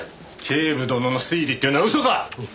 警部殿の推理っていうのは嘘か！？